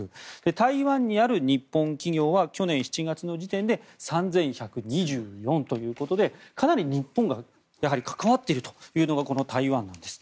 台湾にある日本企業は去年７月の時点で３１２４ということでかなり日本がやはり関わっているというのがこの台湾なんです。